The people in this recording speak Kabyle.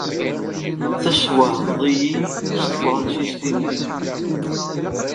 Teswehmed-iyi s tefṛensist-nnek.